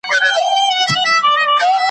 زورور وو پر زمریانو پر پړانګانو ,